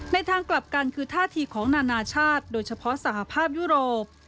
ทางกลับกันคือท่าทีของนานาชาติโดยเฉพาะสหภาพยุโรป